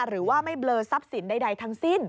หรือว่าไม่เบลอทรัพย์สินใดทั้งสิ้น